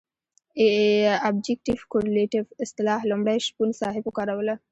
ابجګټف کورلیټف اصطلاح لومړی شپون صاحب وکاروله.